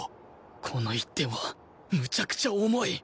この１点はむちゃくちゃ重い！